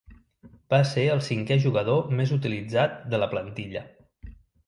Va ser el cinquè jugador més utilitzat de la plantilla.